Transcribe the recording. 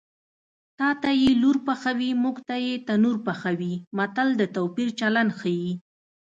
تاته یې لور پخوي موږ ته یې تنور پخوي متل د توپیر چلند ښيي